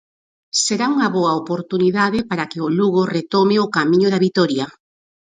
Será unha boa oportunidade para que o Lugo retome o camiño da vitoria.